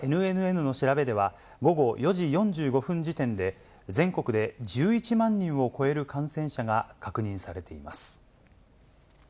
またＮＮＮの調べでは、午後４時４５分時点で、全国で１１万人を超える感染者が確認されています。